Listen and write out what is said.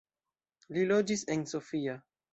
Li loĝis en Sofia.